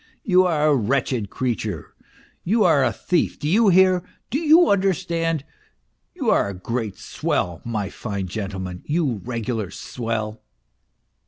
" You are a wretched creature you are a thief ! Do you hear ? Do you understand ? You are a great swell, my fine gentleman, you regular swell."